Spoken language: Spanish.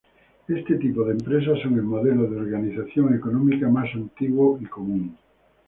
Este tipo de empresas son el modelo de organización económica más antiguo y común.